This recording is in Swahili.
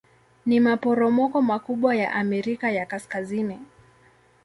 Ni maporomoko makubwa ya Amerika ya Kaskazini.